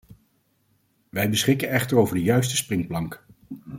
Wij beschikken echter over de juiste springplank.